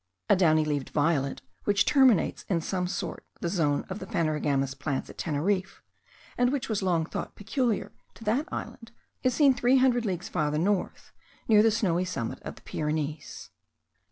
A downy leaved violet, which terminates in some sort the zone of the phanerogamous plants at Teneriffe, and which was long thought peculiar to that island,* is seen three hundred leagues farther north, near the snowy summit of the Pyrenees.